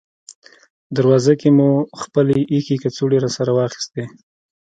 دروازه کې مو خپلې اېښې کڅوړې راسره واخیستې.